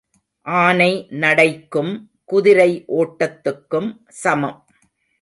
ஆனை நடைக்கும் குதிரை ஓட்டத்துக்கும் சமம்.